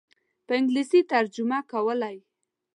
په انګلیسي ترجمه کولې.